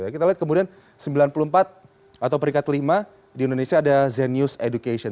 kita lihat kemudian sembilan puluh empat atau peringkat lima di indonesia ada zenius education